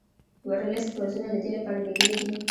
ورلسټ پوځونه د دې لپاره لېږلي دي.